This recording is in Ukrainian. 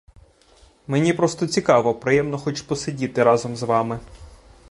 Мені просто цікаво, приємно хоч посидіти разом з вами.